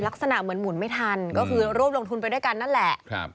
ลักษณะเหมือนหมุนไม่ทันก็คือร่วมลงทุนไปด้วยกันนั่นแหละ